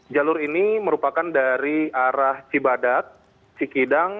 jalur ini merupakan dari arah cibadak cikidang